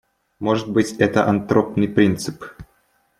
Может быть, это антропный принцип.